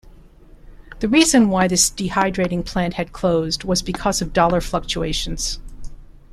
The reason why this dehydrating plant had closed was because of dollar fluctuations.